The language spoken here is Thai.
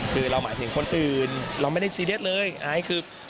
คือเราหมายถึงคนอื่นเราไม่ได้ซีเรียสเลยไอซ์คือ